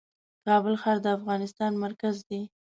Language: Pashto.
کابل ښار د افغانستان مرکز دی .